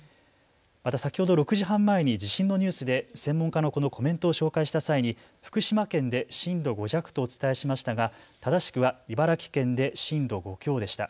また先ほど６時半前に地震のニュースで専門家のこのコメントを紹介した際に福島県で震度５弱とお伝えしましたが正しくは茨城県で震度５強でした。